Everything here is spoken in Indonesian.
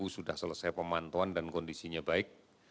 sudah selesai pemantauan dan kondisinya baik